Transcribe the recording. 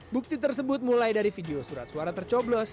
bukti tersebut mulai dari video surat suara tercoblos